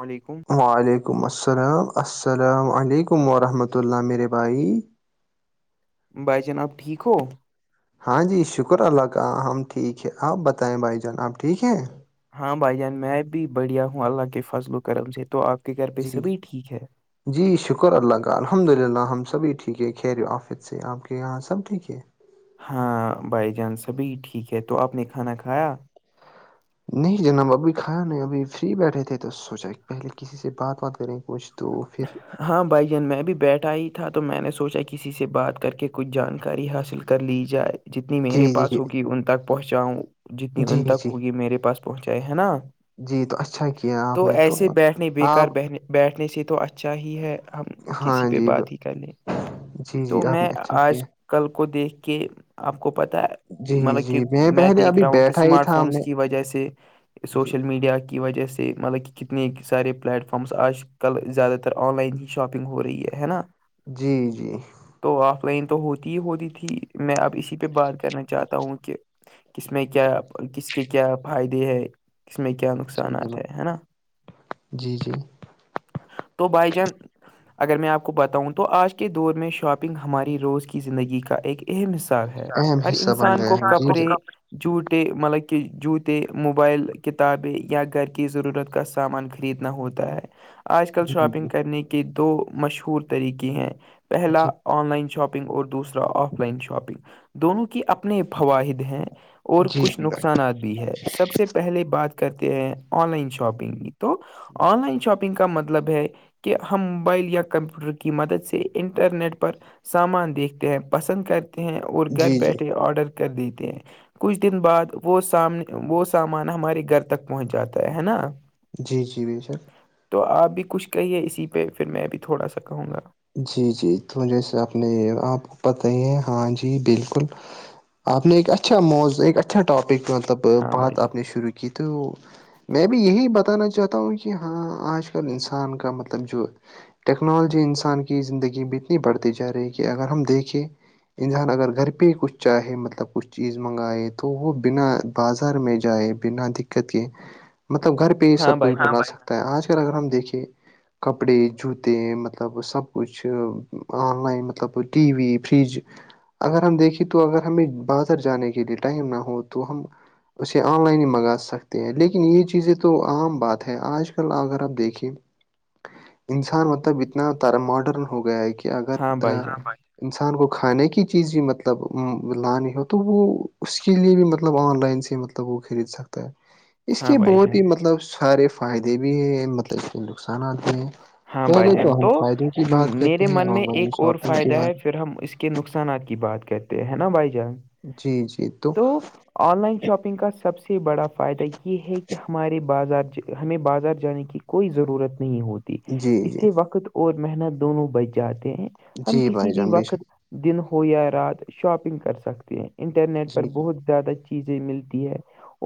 الل علیکم وعلیکم السلام السلام علیکم ورحمۃ اللہ میرے بھائی بھائی جناب ٹھیک ہو ہاں جی شکر اللہ کا ہم ٹھیک ہے آپ بتائیں بھائی جان آپ ٹھیک ہیں ہاں بھائی جان میں بھی بڑھیا ہوں اللہ کے فضل و کرم سے تو آپ کے گھر پہ جی سبھی ٹھیک ہے جی شکر اللہ کا الحمد للہ ہم سبھی ٹھیک ہے خیر آف سے آپ کے یہاں سب ٹھیک ہے ہاں بائی جانس ابھی ٹھیک ہے تو آپ نے کھانا کھایا نہیں جناب ابھی کھایا نہیں ابھی فری بیٹھے تھے تو سوچا پہلے کسی سے بات بات کریں کچھ تو پھر ہاں بھائی جان میں بھی بیٹھا ہی تھا تو میں نے سوچا کسی سے بات کر کے کچھ جانکاری حاصل کر لی جائے جتنی میرے جی جی پاس ہوگی ان تک پہنچاؤں جتنی جی ان جی تک جی ہوگی میرے پاس پہنچائے ہے نا جی تو اچھا کیا آپ تو نے ایسے بیٹھنے آپ بےیکار بہنے بیٹھنے سے تو اچھا ہی ہے ہم ہاں کسی پہ جی ب- بات ہی کرنے جی جی تو آپ نے میں اچھا آج کیا کل کو دیکھ کے آپ کو پتا ہے جی مطلب کہ جی میں پہلے دیکھ ابھی رہا ہوں کہ بیٹھا ہی اسمارٹ تھا فونس میں کی وجہ سے جی سوشل میڈیا کی وجہ سے مطلب کہ کتنے سارے پلیٹ فارمس آج کل زیادہ تر آن لائن ہی شاپنگ ہو رہی ہے نا جی جی تو آف لائن تو ہوتی ہی ہوتی تھی میں اب اسی پہ بات کرنا چاہتا ہوں کہ کس میں کیا کس کے کیا فائدے ہے کس میں کیا جی نقصانات جناب ہے ہے نا جی جی تو بائی جان اگر میں آپ کو بتاؤں تو آج کے دور میں شاپنگ ہماری روز کی زندگی کا ایک اہم حصہ ہے اہم ہر حصہ بن انسان گیا کو ہے کپڑے جوتےے مطلب کہ جووتے موبائل کتابیں یا گھر کی ضرورت گس سامان خریدنا ہوتا ہے آج کل جی شاپنگ کرنے کے دو مشہور طریقے ہیں پہلا جی آن لائن شاپنگ اور دوسرا آف لائن شاپنگ دونوں کی اپنے فواہد ہیں اور جی کچھ جی نقصانات بھی ہے سب سے پہلے بات کرتے ہیں آن لائن شاپنگ تو آن لائن شاپنگ کا مطلب ہے کہ ہم موبائل یا کمپیوٹر کی مدد سے انٹرنیٹ پر سامان دیکھتے ہیں پسند کرتے ہیں اور گھر جی جی بیٹھے آڈر کر دیتے ہیں کچھ دن بعد وہ سامنے وہ سامان ہمارے گھر تک پہنچ جاتا ہے ہے نا جی جی بھ سر تو آپ بھی کچھ کہیے اسی پہ پھر میں بھی تھوڑا سا کہوں گا جی جی تو جیسے اپنے آپ کو پتہ ہی ہے ہاں جی بالکل آپ نے ایک اچھا موز ایک اچھا ٹاپک مطلب ہاں بھائی بات جان آپ نے شروع کی تو میں بھی یہی بتانا چاہتا ہوں کہ ہاں آج کل انسان کا مطلب جو ٹیکنالوجی انسان کی زندگی میں اتنی بڑھتی جا رہی ہے کہ اگر ہم دیکھیں انسان اگر گھر پہ ہی کچھ چاہے مطلب کچھ چیز منگائے تو وہ بنا بازار میں جائے بنا دقت کے مطلب گھر پہ پہ ہاں سب کچھ بھائی جان بڑھا سکتا ہے آج کل اگر ہم دیکیںے کپڑے جوتے مطلب مطلب سب کچھ آن لائن مطلب ٹی وی فریج اگر ہم دیکھیں تو اگر ہمیں بازر جانے کے لیے ٹائم نہ ہو تو ہم اسے آن لائن ہی منگا سکتے ہیں لیکن یہ چیزیں تو عام بات ہے آج کل اگر آپ دیکھیں انسان مطلب اتنا تارا ماڈرن ہو گیا ہے کہ اگر ہاں بھائی جان انسان کو کھانے کی چیز بھی مطلب لانی ہو تو وہ اس کے لیے بھی مطلب آن لائن سے مطلب توب وہ خرید سکتا ہے اس ہاں کے بھائی بہت جان ہی مطلب سارے فائدے بھی ہیں مطلب اس کے نقصانات ہیں ہاں بھائی پہلے جان ہم تو فائدوں کی بات میرے کرتے ہیں من میں آن لائن ایک اور شاپنگ فائدہ کی ہے بات پھر ہم اس کے نقصانات کی بات کرتے ہیں نا بھائی جان جی جی تو آن لائن شاپنگ کا سب سے بڑا فائدہ یہ ہے کہ ہمارے بازار ہمیں بازار جانے کی کوئی ضرورت نہیں ہوتی جی اس جی سے وقت اور محنت دونوں بچ جاتے ہیں ہم جی کسی بھائی بھی جان بے شک وقت دن ہو یا رات شاپنگ کر سکتے ہیں انٹرنیٹ پر جی بہت زیادہ چیزیں ملتی ہے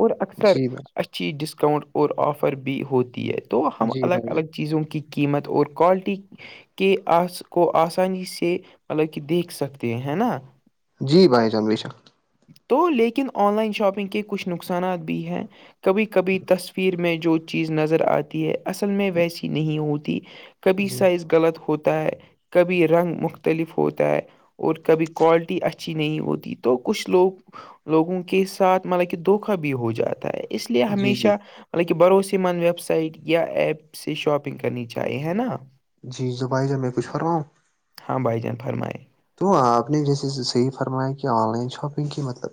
اور اکثر جی بھائی اچھی ڈسکاؤنٹ اور آفر بھی ہوتی ہے تو ہم جی الگ بھائی الگ جان چیزوں کی قیمت اور کوالٹی کے آ کو آسانی سے مطلب کہ دیکھ سکتے ہیں ہے نا جی بھائی جمریشا تو لیکن آن لائن شاپنگ کے کچھ نقصانات بھی ہیں کبھی کبھی تصویر میں جو چیز نظر آتی ہے اصل میں ویسی نہیں ہوتی کبھی جی سائز غلط ہوتا ہے کبھی رنگ مختلف ہوتا ہے اور کبھی کوالٹی اچھی نہیں ہوتی تو کچھ لوگ لوگوں کے ساتھ مطلب کہ دھوکا بھی ہو جاتا ہے اس لیے جی جی ہمیشہ مہ بھروسی مند ویب سائٹ یا ایپ سے شاپنگ کرنی چاہیے ہے نا جی زبھائی ج میں کچھ کر رہا ہوں ہاں بھائی جان فرمائیے تو آپ نے جیسے صحیح فرمایا کہ آن لائن شاپنگ کی مطلب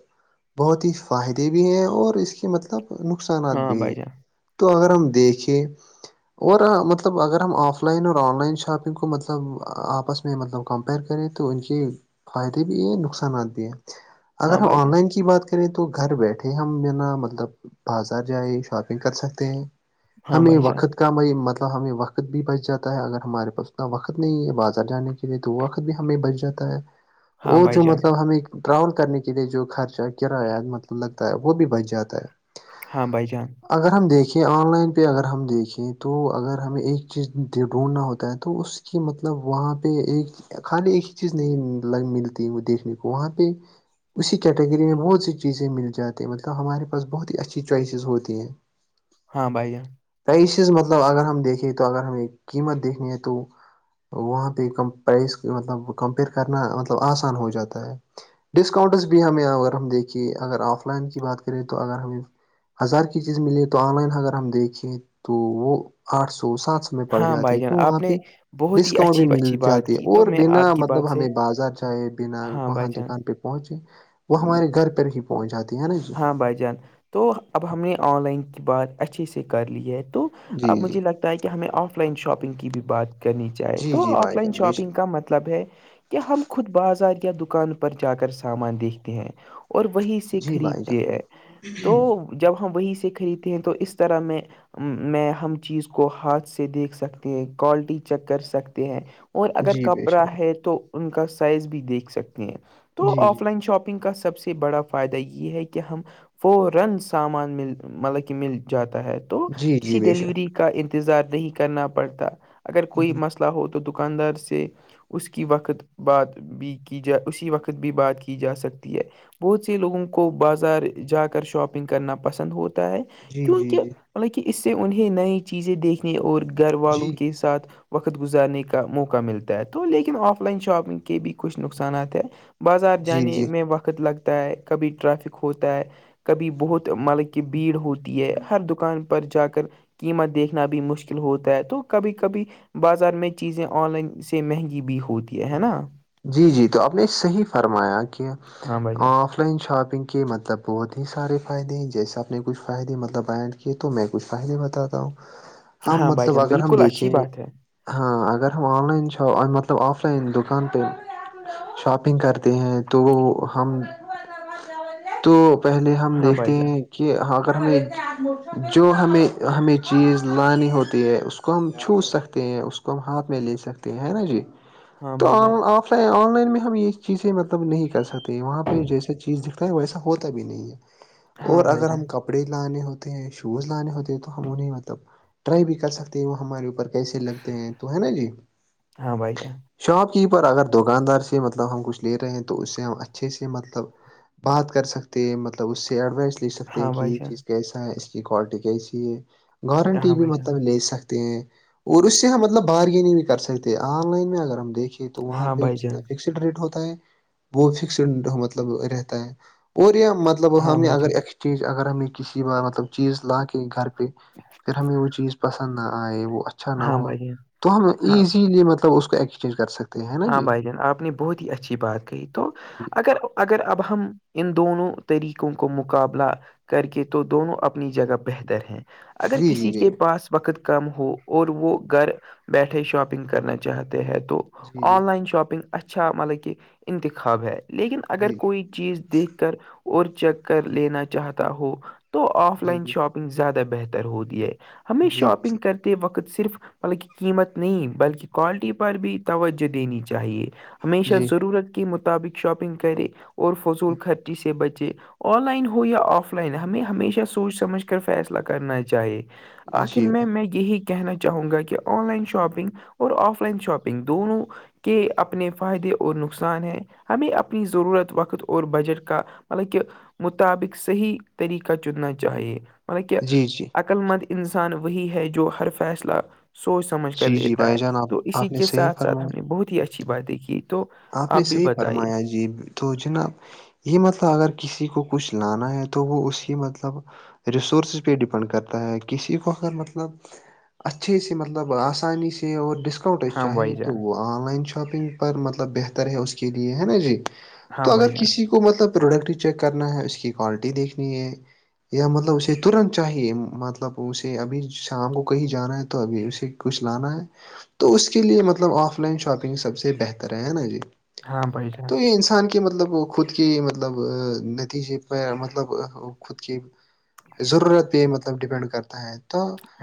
بہت ہی فائدے بھی ہیں اور اس کے مطلب نقصانات ہاں بھائی جان تو اگر ہم دیکھیں اور مطلب اگر ہم آف لائن اور آن لائن شاپنگ کو مطلب آپس میں مطلب کمپئر کرریے تو ان کے فائدے بھی ہیں نقصانات بھی ہیں اگر ہاں ہم بھائی آن جان لائن کی بات کر ے تو گھر بیٹھے ہم ناا مطلب بازار جائ شاپنگ کر سکتے ہیں ہاں ہمیں بھائی جان وقت کا بئی مت ہمیں وقت بھی بچ جاتا ہے اگر ہمارے پاس اتنا وقت نہیں ہے بازار جانے کے لیے تو وقت بھی ہمیں بچ جاتا ہے ہاں اور بھائی جو جان مطلب ہمیں ٹراول کرنے کے لیے جو خرچہ کرایہ مطلب لگتا ہے وہ بھی بچ جاتا ہے ہاں بھائی جان اگر ہم دیکھیں آن لائن پہ اگر ہم دیکھیں تو اگر ہمیں ایک چیز ڈھونڈھنا ہوتا ہے تو اس کہ مطلب وہاں پہ ایک کھانے ایک ہی چیز نہیں ملتی ہے وہ دیکھنے کو وہاں پہ اسی کیٹیگری میں بہت سی چیزیں مل جاتی ہیں مطلب ہمارے پاس بہت ہی اچھی چوائسیز ہوتی ہیں [inaudible] ہاں بھائی ج پرائسیز مطلب اگر ہم دیکھیں تو اگر ہمیں قیمت دیکھنی ہے تو وہاں پہ کمپائز مطلب کمپیئر کرنا مطلب آسان ہو جاتا ہے ڈسکاؤنٹس بھی ہمیں اگر ہم دیکھیے اگر آف لائن کی بات کریں تو اگر ہمیں ہزار کی چیز ملیے تو آن لائن اگر ہم دیکھیں تو وہ آٹھ سو سات سو میں پڑ ہاں جاتی بھائی ہے جان تو وہاں آپ پہ نے بہت ہی ڈسکاؤنٹ بھی اچھی اچھی مل بات جاتی ہے کی تو اور میں بنا آپ کی بات مطلب سے ہمیں بازار جائے بنا ہاں وہاں بھائی جان دکان پہ پہنچے وہ ہم، ہمارے گھر پہ پہنچاتی ہیں ہے نا جی ہاں بھائی جان تو اب ہم نے آن لائن کی بات اچھیے سے کر لی ہے تو جی اب جی مجھے لگتا ہے کہ ہمیں آف لائن شاپنگ کی بھی بات کرنی چاہے جی تو جی آف بھائی لائن جان بے شک شاپنگ کا مطلب ہے کیا ہم خود بازار یا دکان پر جا کر سامان دیکھتے ہیں اور وہیں سے جی خرید بھائی جان د تو جب ہم وہی سے خریدتے ہیں تو اس طرح میں میں ہم چیز کو ہاتھ سے دیکھ سکتے ہیں کوالٹی چیک کر سکتے ہیں اور اگر جی بے کپڑا شک ہے تو ان کا سائز بھی دیکھ سکتے ہیں تو جی آف جی لائن شاپ نگ کا سب سے بڑا فائدہ یہ ہے کہ ہم فورن سامان م مطلب کہ مل جاتا ہے تو جی جی کسی بے شک ڈیلیوری کا انتظار نہیں کرنا پڑتا اگر کوئی جی مسئلہ ہو تو دکاندار سے اس کی وقت بات بھی کی جا اسی وقت بھی بات کی جا سکتی ہے بہت سےی لوگوں کو باز جا کر شاپنگ کرنا پسند ہوتا ہے جی جی کیونکہ جی مطلب کہ اس سے انہیں نئی چیزیں دیکھنے اور گھر والوں جی کے ساتھ وقت گزارنے کا موقع ملتا ہے تو لیکن آف لائن شاپنگ کے بھی کچھ نقصانات ہیں بازار جی جانے جی میں وقت لگتا ہے کبھی ٹرافک ہوتا ہے کبھی بہت مطلب کی بھیڑ ہوتی ہے ہر دکان پر جا کر قیمت دیکھنا بھی مشکل ہوتا ہے تو کبھی کبھی بازار میں چیزیں آن لائن سے مہنگی بھی ہوتی ہے ہے نا جی جی تو آپ نے صحیح فرمایا کہ ہاں بھائی آ جان آن لائن شاپنگ کے مطلب بہت ہی سارے فائدے ہیں جیسے اپنے کچھ فائدے مطلب آئڈ تو میں کچھ فائلے بتاتا ہوں ہم ہاں بھائی مطلب جان اگر ہم بالکل دیکھیں اچھی بات ہے ہاں اگر ہم آن لائن چ مطلب آف لائن دکان پ شاپنگ کرتے ہیں تو ہم تو پہلے ہم ہاں بھائی دیکھتے جان ہیں کہ اگر ہمیں جو ہمیں ہمیں چیز لانی ہوتی ہے اس اس کو ہم چھو سکتے ہیں اس کو ہم ہاتھ میں لے سکتے ہیں نا جی ہاں تو بھائی جان آ آن لائن میں ہم یہ چیزیں مطلب نہیں کر سکتے وہاں پہ جیسا چیز دکھتا ہے ویسا ہوتا بھی نہیں ہے ہاں اور بھائی اگر جان ہم ک کپڑے لانے ہوتے ہیں شوز لانے ہوتے ہیں تو ہم انہیں مطلب ٹرائی بھی کر سکتے ہیں وہ ہمارے اوپر کیسے لگتے ہیں تو ہے نا جی ہاں بھائی جان شاپ کی پر اگر دکاندار سے مطلب ہم کچھ لے رہے ہیں تو اس سے ہم اچھے سے مطلب بات کر سکتے ہیں مطلب اس سے ایڈوائس ل سکتے ہیں ہاں کہ بھائی یہ جان چیز کیسا ہے اس کی کوالٹی کیسی ہے گارنٹی ہاں بھی بھائی جان مطلب لے سکتے ہیں اور اس سے ہم مطلب بارگینگ بھی کر سکتے ہیں آن لائن میں اگر ہم دیکھے تو وہاں ہاں پہ بھائی جتنا جان فکسڈ ریٹ ہوتا ہے وہ فکسڈ مطلب رہتا ہے اور یہیا مطلب ہاں ہم نے بھائی اگر جان ایکسچینج اگر ہمیں کسی ب مطلب چیز لا کے گھر پہ ج ہمیں وہ چیز پسند نہ آئے وہ اچھا نہ ہاں ہو بھائی جان تو ہم ہاں ایزیلی مطلب اس کو چیز کر سکتے ہیں ہے نا ہاں جی بھائی آپ نے بہت ہی اچھی بات کہ تو اگر اگر اب ہم ان دونوں طریقوں کو مقابلہ کر کے تو دونوں اپنی جگہ بہتر ہیں اگر جی جی کسی کے جی پاس وقت کم ہو اور وہ گھر بیٹھے شاپنگ کرنا چاہتے ہیں تو جی آن لائن شاپنگ اچھا مطلب کہ انتخاب ہے لیکن اگر جی جی کوئی چیز دیکھ کر اور چیک کر لینا چاہتا ہو تو آف لائن جی جی شاپنگ زیادہ بہتر ہوتییا ہے ہمیں جی شاپنگ کرتے وقت صرف مطلہ قیمت نہیں بلکہ کوالٹی پر بھی توجہ دینی چاہیے ہمیشہ جی ضرورت کے مطابق شاپنگ کرے اور جی فضول خرچی سے بچے آن لائن ہو یا آف لائن ہمیں ہمیشہ سوچ سمجھ کر فیصلہ کرنا چاہیے جی جی بھائی آن میں میگ یہی کہنا چاہوں گا کہ آن لائن شاپنگ اور آف لائن شاپنگ دونوں کے اپنے فائدے اور نقصان ہیں ہمیں اپنی ضرورت وقت اور بجٹ کا مطلب کہ مطابق صحیح طریقہ چننا چاہیے مطلب کہ جی جی عقل مند انسان وہی ہے جو ہر فیصلہ سوچ سمجھ کر جی جی لیتا ہے بھائی جان آپ تو اسی آپ نے کے صحیح ساتھ ساتھ ہم فرمایا نے بہت ہی اچھی باتیں کی تو آپ نے بھی صحیح بتائیے فرمایا جی تو جناب یہ مطلب اگر کسی کو کچھ لانا ہے تو وہ اسی مطلب ریسورسز پہ ڈپینڈ کرتا ہے کسی کو اگر مطلب اچھے سے مطلب آسانی سے اور ڈسک اسکاؤنٹ اس ہاں چاہیے بھائی تو جان وہ آن لائن شاپنگ پر مطلب بہتر ہے اس کے لیے ہے نا جی ہاں تو بھائی اگر جان کسی کو مطلب پروڈکٹ چیک کرنا ہے اس کی کوالٹی دیکھنی ہے یا مطلب اسے ترنت چاہیے مطلب اسے ابھی شام کو کہیں جانا ہے تو ابھی اسے کچھ لانا ہے تو اس کے لیے مطلب آف لائن شاپنگ سب سے بہتر ہے نا جی ہاں بائی جان تو یہ انسان کے مطلب خود کی مطلب نتیجے پر مطلب خود کے ضرورت پہ مطلب ڈیپینڈ کرتا ہے تو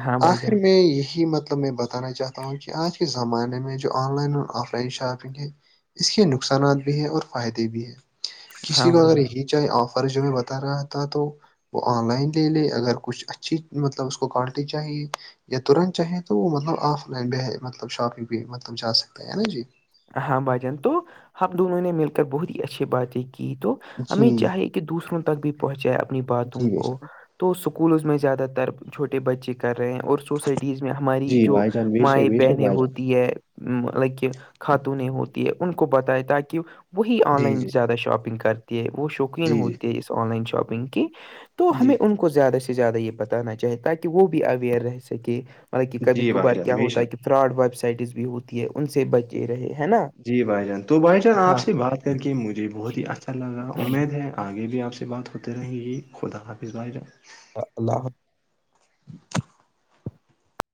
ہاں بھائی آخر جان میں یہی مطلب میں بتا بتانا چاہتا ہوں کہ آج کے زمانے میں جو آن لائن اور آف لائن شاپ گ اس کے نقصانات بھی ہیں اور فائدے بھی ہیں کسی ہاں کو بھائی اگر جان یہ آفر جو میں بتا رہا تھا تو وہ آن لائن لے لے اگر کچھ اچھی مطلب اس کو کوالٹی چاہیے یا ترنت چاہیں تو وہ مطلب آف لائن مطلب شاپنگ بھی مطلب جا سکتا ہے نا جی ہاں بھائی جان تو ہمب دونوں نے مل کر بہت ہی اچھی باتیں کی تو ہمیں جی چاہے کہ دوسروں تک بھی پہنچائے اپنی جی باتوں بے کو شک تو اسکولز میں زیادہ تر چھوٹے بچے کر رہے ہیں اور سوسائٹیز میں ہماری جی جو بھائی جان بے شک مائ بے شک بہنیں بھائی جان ہوتی ہے لائک خاتونیں ہوتی ہے ان کو بتائے تاکہ وہی آن جی لائن جی زیادہ شاپنگ کرتی ہے وہ شوق جی جی ہوتی آن ل شنگ کی تو جی ہم کو زیادہ سے زیادہ یہ بتانا چاہے تاکہ وہ بھی اویئر رہ سکے مطلب کہ کبھی جی بھائی کبھار جان کیا بے ہوتا ہے شک کہ فراڈ ویب سائٹز بھی ہوتی ہے ان سے بچے رہے ہے نا جی بھائی جان تو بھائی جان آپ ہاں سے بات کر کے مجھے بہت ہی اچھا لگا امید ہے آگے بھی آپ سے بات ہو ان یہ خودا حا بھیمار اللہ حافظ